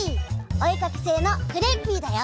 おえかきせいのクレッピーだよ！